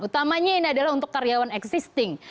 utamanya ini adalah untuk karyawan existing